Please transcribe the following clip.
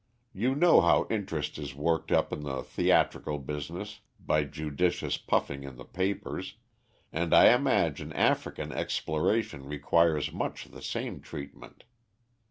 You know how interest is worked up in the theatrical business by judicious puffing in the papers, and I imagine African exploration requires much the same treatment.